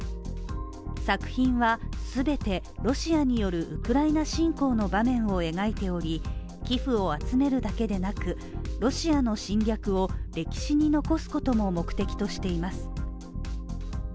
作品は全てロシアによるウクライナ侵攻の場面を描いており寄付を集めるだけでなく、ロシアの侵略を歴史に残すことも目的としています。